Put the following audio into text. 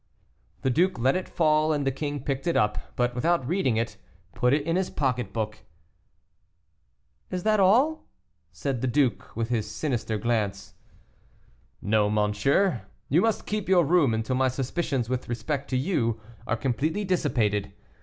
The duke let it fall, and the king picked it up, but without reading it put it in his pocket book. "Is that all?" said the duke, with his sinister glance. "No, monsieur, you must keep your room until my suspicions with respect to you are completely dissipated.